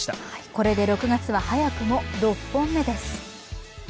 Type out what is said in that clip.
これで６月は早くも６本目です。